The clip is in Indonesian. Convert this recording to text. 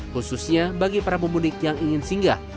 khususnya bagi para pemudik yang ingin singgah